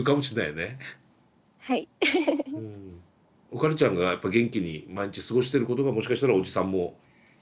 おかるちゃんがやっぱ元気に毎日過ごしてることがもしかしたらおじさんも喜ぶことかもしれないからね。